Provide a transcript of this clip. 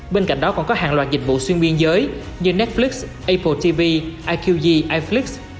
bên cạnh đó còn có hàng loạt dịch vụ xuyên biên giới như netflix apple tv iqg iflix